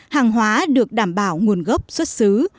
hàng hóa được đảm bảo nguồn gốc xuất xứ